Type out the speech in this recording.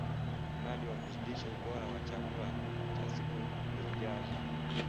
Mradi wa Kuzidisha Ubora wa Chakula cha Siku zijazo